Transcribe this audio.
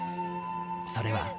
それは。